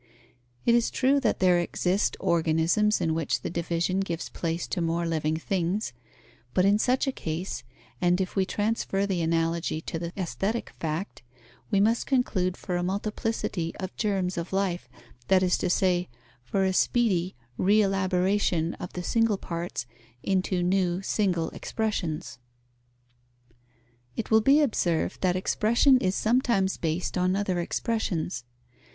It is true that there exist organisms in which the division gives place to more living things, but in such a case, and if we transfer the analogy to the aesthetic fact, we must conclude for a multiplicity of germs of life, that is to say, for a speedy re elaboration of the single parts into new single expressions. It will be observed that expression is sometimes based on other expressions.